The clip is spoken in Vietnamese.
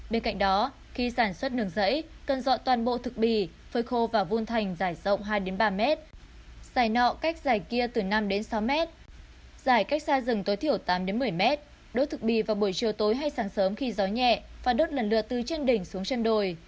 bên cạnh đó khi sản xuất nướng rẫy cần dọn toàn bộ thực bì phơi khô vào vun thành dài rộng hai ba m dài nọ cách dài kia từ năm sáu m dài cách xa rừng tối thiểu tám một mươi m đốt thực bì vào buổi chiều tối hay sáng sớm khi gió nhẹ và đốt lần lửa từ trên đỉnh xuống trên đồi